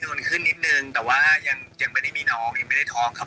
ก็เหมือนกับเตรียมตัวเตรียมร่ำกายอะไรอย่างเงี้ยค่ะ